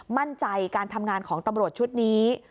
มั่นใจการทำงานของตำรวจชุดนี้